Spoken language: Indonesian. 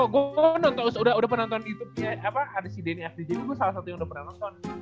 gua udah nonton udah penonton youtube ya apa ada si danny avdija ini gua salah satu yang udah pernah nonton